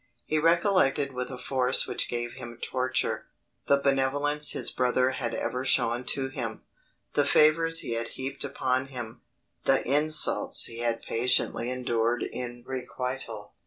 He recollected with a force which gave him torture, the benevolence his brother had ever shown to him the favours he had heaped upon him the insults he had patiently endured in requital!